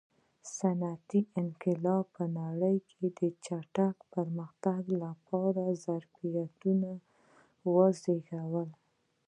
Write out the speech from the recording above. صنعتي انقلاب په نړۍ کې د چټک پرمختګ لپاره ظرفیتونه وزېږول.